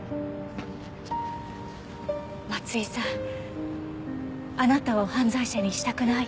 松井さんあなたを犯罪者にしたくない。